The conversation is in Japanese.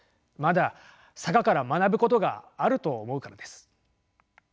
まだ坂から学ぶことがあると思うからです。